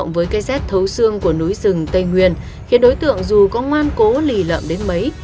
với cây rét thấu xương của núi rừng tây nguyên khiến đối tượng dù có ngoan cố lì lợm đến mấy